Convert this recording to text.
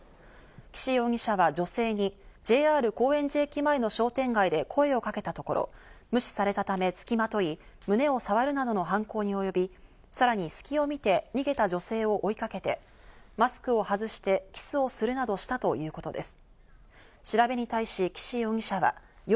岸容疑者は女性にＪＲ高円寺駅前の商店街で声をかけたところ、無視されたためつきまとい、胸をさわるなどの犯行に及び、さらにすきを見て逃げた女性を追いかけてマスクを外してキスをするなどしたということです。